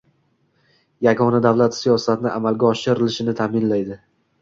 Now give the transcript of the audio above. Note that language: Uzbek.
yagona davlat siyosatni amalga oshirilishini ta'minlaydi.